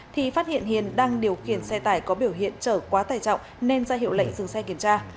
thì phát hiện hiền đang điều khiển xe tải có biểu hiện trở quá tải trọng nên ra hiệu lệnh dừng xe kiểm tra